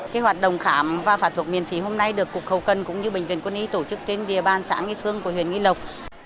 cái hoạt động khám và phạt thuốc miễn phí hôm nay được cục hậu cần cũng như bệnh viện quân y tổ chức trên địa bàn xã nghi phương của huyện nghi lộc